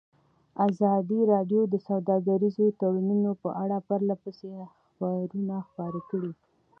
ازادي راډیو د سوداګریز تړونونه په اړه پرله پسې خبرونه خپاره کړي.